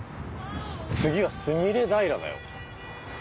次は「すみれ平」だよ。